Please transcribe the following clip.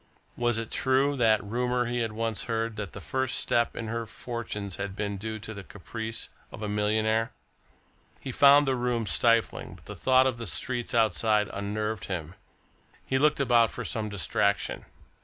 Was it true, that rumour he had once heard that the first step in her fortunes had been due to the caprice of a millionaire? He found the room stifling, but the thought of the streets outside unnerved him. He looked about for some distraction.